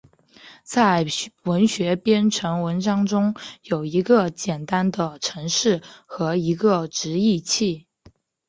在文学编程文章中有一个简单的程式和一个直译器。